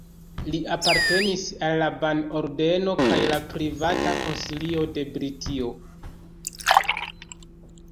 Li apartenis al la Ban-ordeno kaj la Privata Konsilio de Britio.